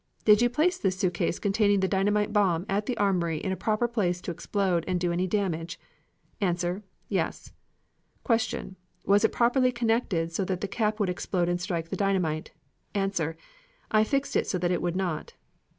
Did you place this suitcase containing the dynamite bomb at the armory in a proper place to explode and do any damage? A. Yes. Q. Was it properly connected so that the cap would explode and strike the dynamite? A. I fixed it so that it would not.